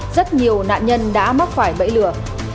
rất nhiều nạn nhân đã mắc phải bẫy lửa